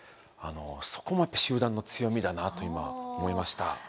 そこも集団の強みだなと今思いました。